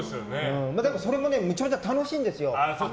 だからそれもめちゃくちゃ楽しいんですよ。